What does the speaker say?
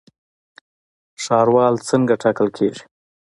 ښاروال څنګه ټاکل کیږي؟